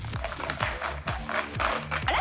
あれ？